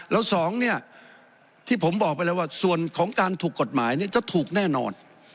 แล้วสองเนี่ยที่ผมบอกไปแล้วว่าส่วนของการถูกกฎหมายเนี่ยจะถูกแน่นอน